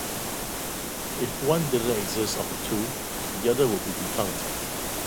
If one didn't exist of the two, the other would be defunct.